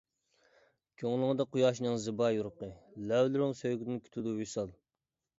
كۆڭلۈڭدە قۇياشنىڭ زىبا يورۇقى، لەۋلىرىڭ سۆيگۈدىن كۈتىدۇ ۋىسال.